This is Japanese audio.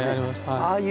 ああいう